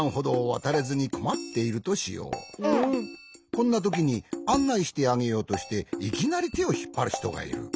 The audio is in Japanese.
こんなときにあんないしてあげようとしていきなりてをひっぱるひとがいる。